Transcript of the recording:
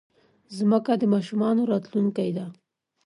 مځکه د ماشومانو راتلونکی ده.